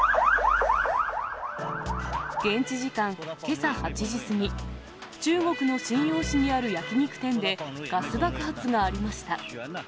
現地時間けさ８時過ぎ、中国の瀋陽市にある焼き肉店で、ガス爆発がありました。